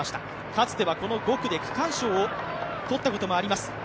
かつては、この５区で区間賞を取ったこともあります。